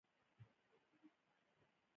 د احمدشاه بابا بریاوو د افغانانو نوم لوړ کړ.